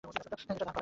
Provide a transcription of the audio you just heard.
এটা ধার করা।